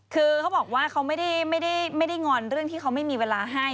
คือเขาบอกว่าเขาไม่ได้งอนเรื่องที่เขาไม่มีเวลาให้